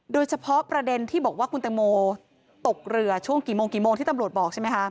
โดยเฉพาะประเด็นที่บอกว่าคุณแตงโมตกเรือช่วงกี่โมงกี่โมงที่ตำรวจบอกใช่ไหมคะ